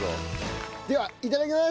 ではいただきます！